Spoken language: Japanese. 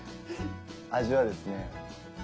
味はですね